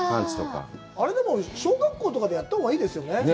あれでも小学校とかでやったほうがいいですね。